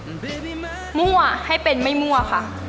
มั่วให้เป็นไม่มั่วค่ะ